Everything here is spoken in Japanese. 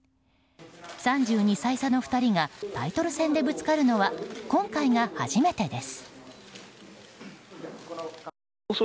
３２歳差の２人がタイトル戦でぶつかるのは今回が初めてです。